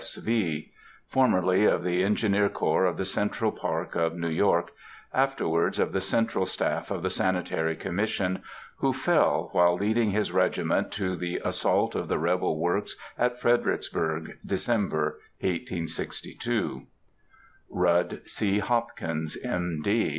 S.V., formerly of the Engineer Corps of the Central Park of New York, afterwards of the central staff of the Sanitary Commission, who fell while leading his regiment to the assault of the rebel works at Fredericksburg, December, 1862;— RUDD C. HOPKINS, M. D.